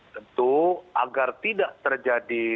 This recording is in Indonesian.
tentu agar tidak terjadi